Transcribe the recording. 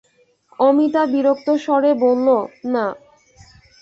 অমিতা বিরক্ত স্বরে বলল, না।